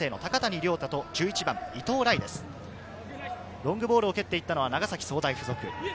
ロングボールを蹴っていったのは長崎総大附属。